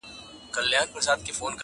• دا هېرسوي لحدونه -